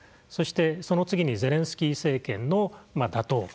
そしてその次にゼレンスキー政権の打倒。